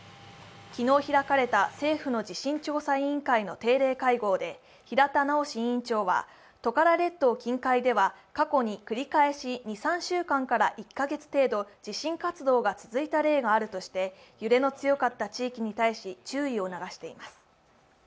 昨日開かれた政府の地震調査委員会の定例会合で平田直委員長は、トカラ列島近海では過去に繰り返し２３週間から１カ月程度、地震活動が続いた例があるとして揺れの強かった地域に対し注意を促しています。